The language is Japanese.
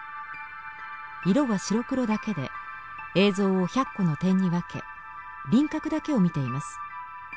色は白黒だけで映像を１００個の点に分け輪郭だけを見ています。